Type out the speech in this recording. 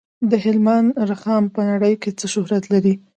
د هلمند رخام په نړۍ کې څه شهرت لري؟